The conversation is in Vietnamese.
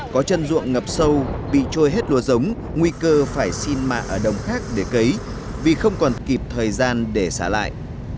có chân ruộng ngập sâu bị trôi hết lúa giống nguy cơ phải xin mạ ở đồng khác để cấy vì không còn kịp thời gian để xả lại